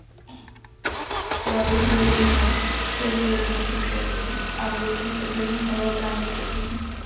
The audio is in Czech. Chtěla bych vyzdvihnout zjednodušení a větší soudržnost nového právního předpisu.